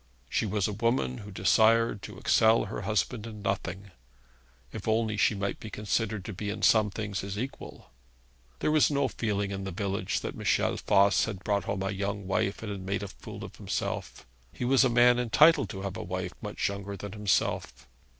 She was a woman who desired to excel her husband in nothing, if only she might be considered to be in some things his equal. There was no feeling in the village that Michel Voss had brought home a young wife and had made a fool of himself. He was a man entitled to have a wife much younger than himself.